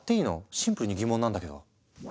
シンプルに疑問なんだけど。